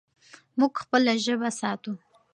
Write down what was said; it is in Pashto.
موږ خپله ژبه ساتو.